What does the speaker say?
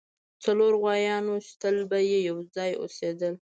څلور غوایان وو چې تل به یو ځای اوسیدل.